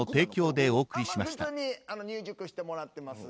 普通に入塾してもらっています。